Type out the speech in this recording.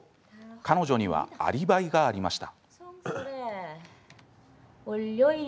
彼女にはアリバイがありました。